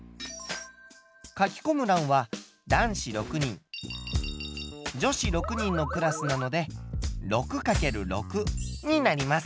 書きこむらんは男子６人女子６人のクラスなので６×６になります。